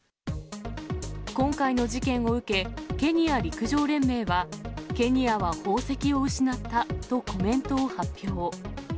今回の事件を受け、ケニア陸上連盟は、ケニアは宝石を失ったとコメントを発表。